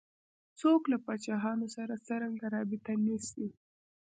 څوک له پاچاهانو سره څرنګه رابطه نیسي.